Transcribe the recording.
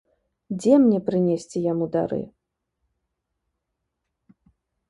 Дзе мне прынесці яму дары?